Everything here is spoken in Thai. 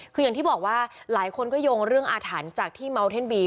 คืออย่างที่บอกว่าหลายคนก็โยงเรื่องอาถรรพ์จากที่เมาเท่นบี